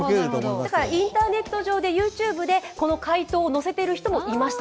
だからインターネット上で、ＹｏｕＴｕｂｅでこの解答をのせてる人もいました。